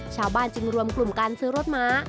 ชาวบ้านจึงรวมกลุ่มการซื้อรถม้า